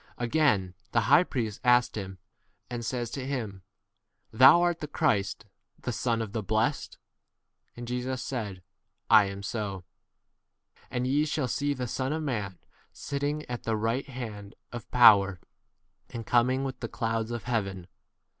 Again the high priest asked him, and says to him, Thou art the Christ, the Son 62 of the blessed ? And Jesus said, I am [so]. And ye shall see the Son of man sitting at the right hand of power, and coming with 63 the clouds of heaven.